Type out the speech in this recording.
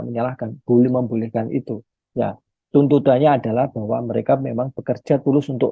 menyalahkan boleh membolehkan itu ya tuntutannya adalah bahwa mereka memang bekerja tulus untuk